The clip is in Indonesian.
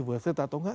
worth it atau enggak